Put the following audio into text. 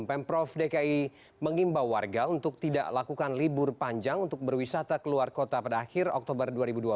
pemprov dki mengimbau warga untuk tidak lakukan libur panjang untuk berwisata keluar kota pada akhir oktober dua ribu dua puluh